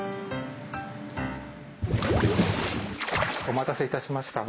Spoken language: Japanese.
お待たせいたしました。